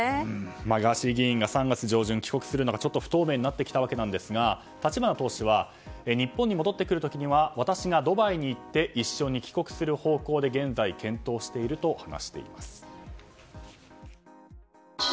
ガーシー議員が３月上旬帰国するのか不透明になってきたわけですが立花党首は日本に戻ってくる時には私がドバイに行って一緒に帰国する方向で現在、検討していると話しています。